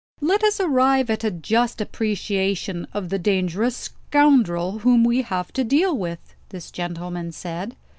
"Let us arrive at a just appreciation of the dangerous scoundrel whom we have to deal with," this gentleman said.